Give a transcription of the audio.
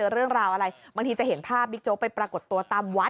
เรื่องราวอะไรบางทีจะเห็นภาพบิ๊กโจ๊กไปปรากฏตัวตามวัด